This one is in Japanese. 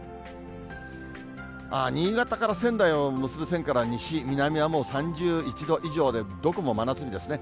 新潟から仙台を結ぶ線から西、南は３１度以上で、どこも真夏日ですね。